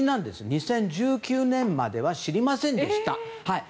２０１９年までは知りませんでした。